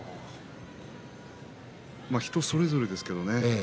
人それぞれですけどね